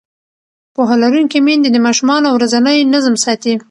پوهه لرونکې میندې د ماشومانو ورځنی نظم ساتي.